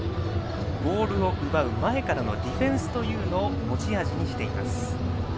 ボールを奪う前からのディフェンスというのを持ち味にしています。